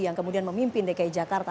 yang kemudian memimpin dki jakarta